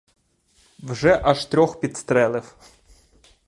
Вже аж трьох підстрелив.